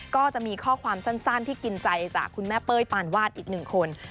ก็จะมีข้อความสั้นที่กินใจจากคุณแม่เป้ยปานวาดอีกหนึ่งคน